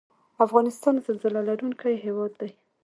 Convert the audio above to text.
افغانستان زلزله لرونکی هیواد دی